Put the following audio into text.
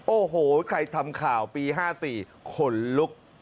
โอ้โหใครทำข่าวปี๕๔ขนลุก